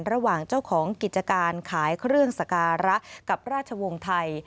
ระหว่างเจ้าของกิจการขายเครื่องสการะกับราชวงศ์ไทย